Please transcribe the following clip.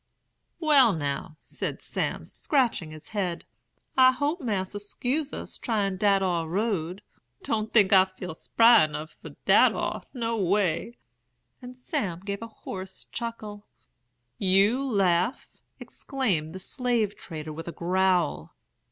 "'Wal, now,' said Sam, scratching his head, 'I hope Mas'r 'scuse us tryin' dat ar road. Don't think I feel spry enough for dat ar, no way'; and Sam gave a hoarse chuckle. "'You laugh!' exclaimed the slave trader, with a growl.